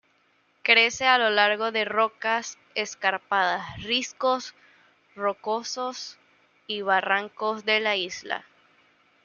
Crece a lo largo de rocas escarpadas, riscos rocosos y barrancos de la isla.